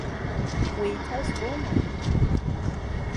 Уеиҭазбома?